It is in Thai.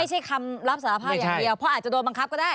คำรับสารภาพอย่างเดียวเพราะอาจจะโดนบังคับก็ได้